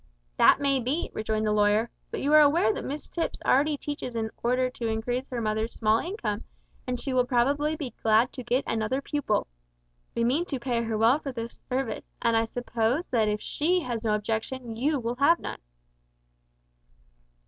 "That may be," rejoined the lawyer; "but you are aware that Miss Tipps already teaches in order to increase her mother's small income, and she will probably be glad to get another pupil. We mean to pay her well for the service, and I suppose that if she has no objection you will have none."